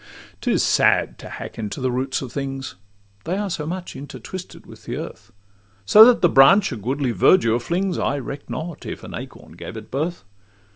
'Tis sad to hack into the roots of things, They are so much intertwisted with the earth; So that the branch a goodly verdure flings, I reck not if an acorn gave it birth.